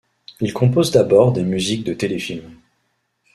Il compose d'abord des musiques de téléfilms.